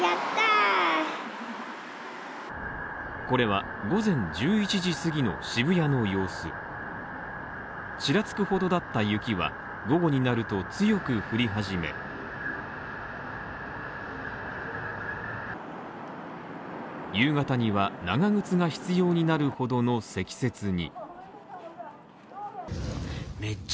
これは、午前１１時すぎの渋谷の様子ちらつくほどだった雪は、午後になると強く降り始め夕方には長靴が必要になるほどの積雪に。